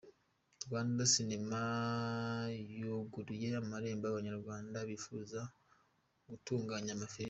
Rwanda sinema yugururiye amarembo Abanyarwanda bifuza gutunganya amafilime